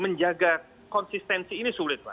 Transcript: menjaga konsistensi ini sulit pak